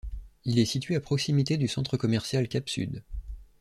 Il est situé à proximité du Centre Commercial Cap Sud.